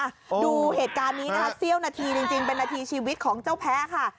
ดูเหตุการณ์นี้เซี่ยวนาทีจริงเป็นนาทีชีวิตของเจ้าแพะค่ะ